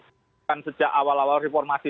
itu kan sejak awal awal reformasi